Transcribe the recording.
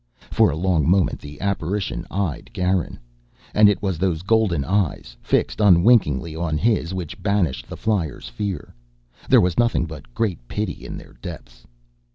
For a long moment the apparition eyed Garin. And it was those golden eyes, fixed unwinkingly on his, which banished the flyer's fear. There was nothing but great pity in their depths.